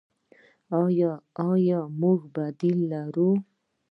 آیا موږ بدیل لرو؟